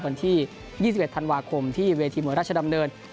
วันที่๒๑ธันวาคมที่เวทีมวยราชดำเนิน